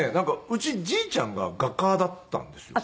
うちじいちゃんが画家だったんですよ。